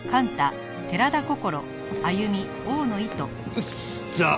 よしじゃあ